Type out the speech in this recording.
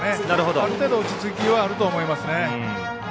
ある程度、落ち着きはあると思いますね。